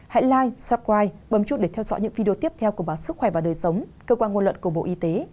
hãy like subscribe bấm chuông để theo dõi những video tiếp theo của báo sức khỏe và đời sống cơ quan nguồn luận của bộ y tế